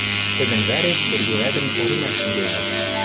Тӹдӹн вӓреш Серге вӓтӹн Оринӓм шӹндевӹ.